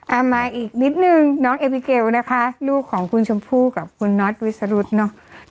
มาอีกนิดนึงน้องเอวิเกลนะคะลูกของคุณชมพู่กับคุณน็อตวิสรุธเนอะ